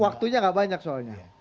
waktunya gak banyak soalnya